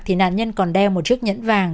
thì nạn nhân còn đeo một chiếc nhẫn vàng